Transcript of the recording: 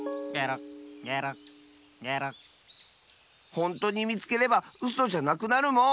ほんとにみつければうそじゃなくなるもん！